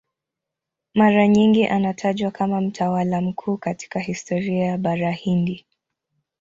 Mara nyingi anatajwa kama mtawala mkuu katika historia ya Bara Hindi.